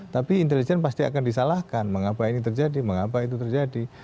tapi intelijen pasti akan disalahkan mengapa ini terjadi mengapa itu terjadi